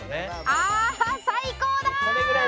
ああ最高だ！